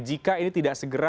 jika ini tidak segera